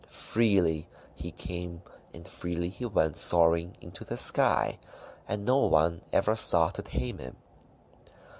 Freely he came, and freely he went soaring into the sky, and no one ever sought to tame him.